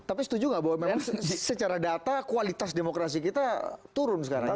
tapi setuju nggak bahwa memang secara data kualitas demokrasi kita turun sekarang